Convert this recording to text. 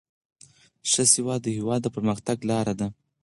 ښه سواد د هیواد د پرمختګ لاره ده.